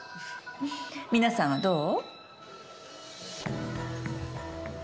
皆さんはどう？